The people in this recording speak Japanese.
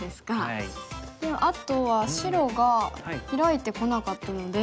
であとは白がヒラいてこなかったので。